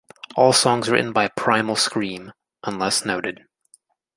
All songs written by Primal Scream, unless noted.